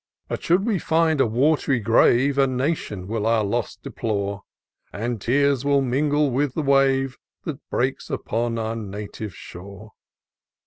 But, should we find a wat'ry grave, A nation will our loss deplore ; And tears will mingle with the wave That breaks upon our native shore.